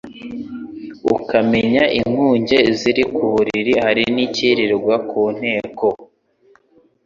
Ukamenya Ikunge ziri ku buriri !Hari n' icyirirwa ku nteko,